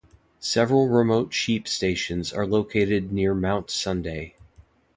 Several remote sheep stations are located near Mount Sunday.